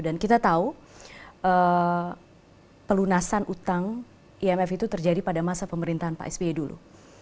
dan kita tahu pelunasan utang imf itu terjadi pada masa pemerintahan pak sby dulu